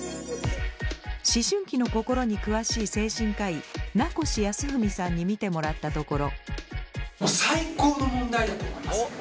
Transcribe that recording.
思春期の心に詳しい精神科医名越康文さんに見てもらったところ。